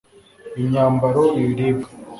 imyambaro, ibiribwa ..